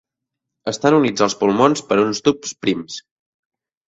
Estan units als pulmons per uns tubs prims.